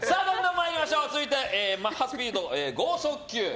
続いてマッハスピード豪速球